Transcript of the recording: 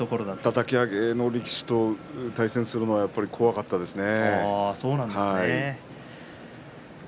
たたき上げの力士と対戦するのは怖かったですね。